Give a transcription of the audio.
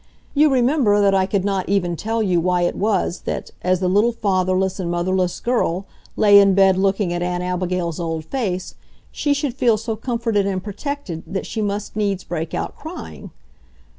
You remember that I could not even tell you why it was that, as the little fatherless and motherless girl lay in bed looking at Aunt Abigail's old face, she should feel so comforted and protected that she must needs break out crying.